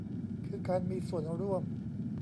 คือการมีส่วนร่วม